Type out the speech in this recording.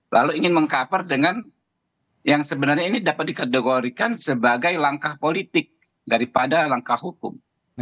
lalu ingin meng cover dengan yang sebenarnya ini dapat dikategorikan sebagai langkah politik daripada langkah hukum